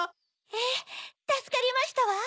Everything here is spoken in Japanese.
ええたすかりましたわ。